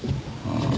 ああ。